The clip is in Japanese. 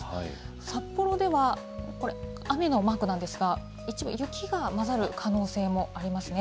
札幌ではこれ、雨のマークなんですが、一部、雪が交ざる可能性もありますね。